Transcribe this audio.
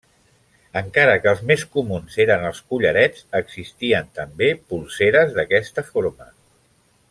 Encara que els més comuns eren els collarets, existien també polseres d'aquesta forma.